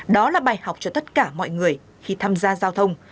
đó là bài học cho tất cả mọi người khi tham gia giao thông